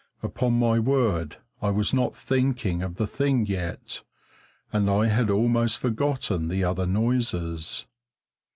Upon my word, I was not thinking of the thing yet, and I had almost forgotten the other noises.